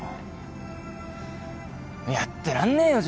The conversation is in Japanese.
やってらんねえよ